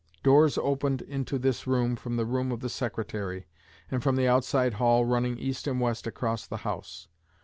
Doors opened into this room from the room of the Secretary, and from the outside hall running east and west across the House.